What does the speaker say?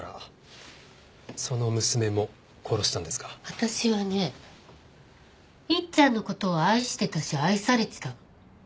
私はねいっちゃんの事を愛してたし愛されてたの。